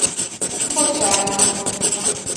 Bocsánat.